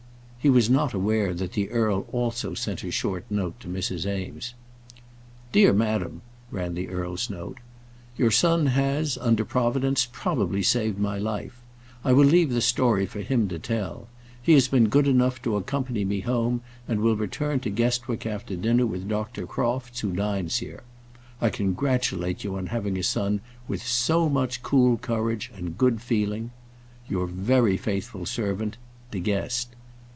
He was not aware that the earl also sent a short note to Mrs. Eames. DEAR MADAM [ran the earl's note], Your son has, under Providence, probably saved my life. I will leave the story for him to tell. He has been good enough to accompany me home, and will return to Guestwick after dinner with Dr. Crofts, who dines here. I congratulate you on having a son with so much cool courage and good feeling. Your very faithful servant, DE GUEST.